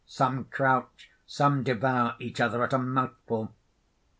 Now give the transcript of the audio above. Some crouch; some devour each other at a mouthful.